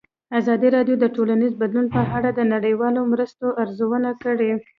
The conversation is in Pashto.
ازادي راډیو د ټولنیز بدلون په اړه د نړیوالو مرستو ارزونه کړې.